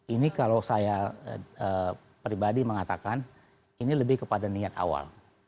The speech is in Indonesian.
ini kalau saya pribadi mengatakan ini lebih kepada niat awal